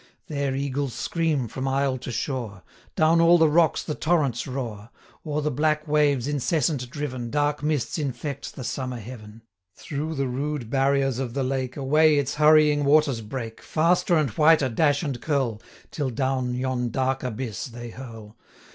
There eagles scream from isle to shore; 240 Down all the rocks the torrents roar; O'er the black waves incessant driven, Dark mists infect the summer heaven; Through the rude barriers of the lake, Away its hurrying waters break, 245 Faster and whiter dash and curl, Till down yon dark abyss they hurl.